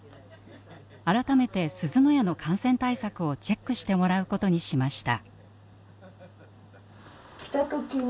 改めてすずの家の感染対策をチェックしてもらうことにしました。